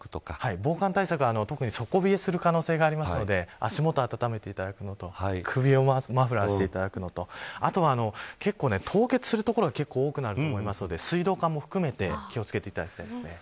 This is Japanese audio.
防寒対策は特に底冷えする可能性があるので足元を暖めていただくのと首をマフラーしていただくのとあとは、凍結する所が多くなると思うので水道管も含めて気を付けていただきたいですね。